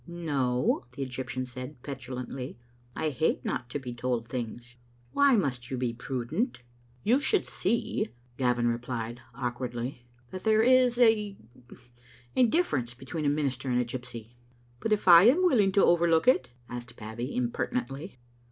" No," the Egyptian said, petulantly. " I hate not to be told things. Why must you be *prudent?'" "You should see," Gavin replied, awkwardly, "that there is a — a difference between a minister and a gypsy." " But if I am willing to overlook it?" asked Babbie, impertinently.